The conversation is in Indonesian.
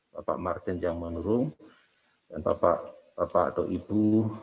bapak mardin jangmanurung dan bapak bapak dok ibu